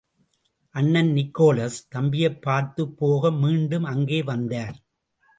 அண்ணன் நிக்கோலஸ் தம்பியைப் பார்த்துப் போக மீண்டும் அங்கே வந்தார்.